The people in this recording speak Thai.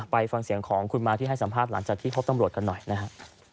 ไปฟังเสียงของคุณม้าที่ให้สัมภาษณ์หลังจากที่พบตำรวจกันหน่อยนะฮะ